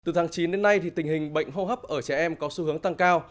từ tháng chín đến nay tình hình bệnh hô hấp ở trẻ em có xu hướng tăng cao